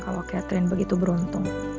kalau catherine begitu beruntung